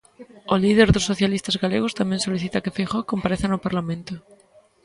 O líder dos socialistas galegos tamén solicita que Feijóo compareza no Parlamento.